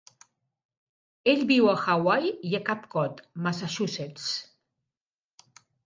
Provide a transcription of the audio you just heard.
Ell viu a Hawaii i a Cap Cod, Massachusetts.